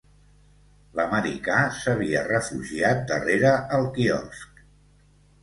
L'americà s'havia refugiat darrere el quiosc